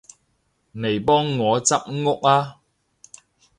嚟幫我執屋吖